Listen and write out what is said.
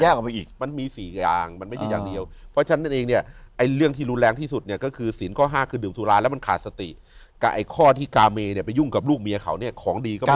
ออกไปอีกมันมีสี่อย่างมันไม่ใช่อย่างเดียวเพราะฉะนั้นนั่นเองเนี่ยไอ้เรื่องที่รุนแรงที่สุดเนี่ยก็คือศีลข้อห้าคือดื่มสุราแล้วมันขาดสติกับไอ้ข้อที่กาเมเนี่ยไปยุ่งกับลูกเมียเขาเนี่ยของดีก็ไม่